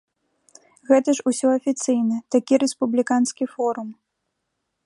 Гэта ж усё афіцыйна, такі рэспубліканскі форум.